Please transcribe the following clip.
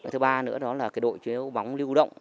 thứ ba nữa đó là đội chiếu bóng lưu động